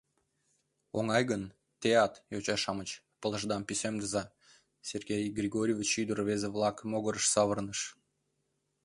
Оҥай гын, теат, йоча-шамыч, пылышдам пӱсемдыза, — Сергей Григорьевич ӱдыр-рвезе-влак могырыш савырныш.